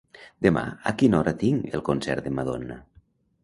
Demà a quina hora tinc el concert de Madonna?